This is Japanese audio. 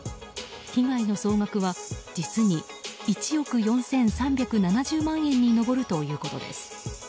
被害の総額は実に１億４３７０万円に上るということです。